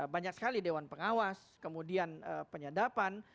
banyak sekali dewan pengawas kemudian penyadapan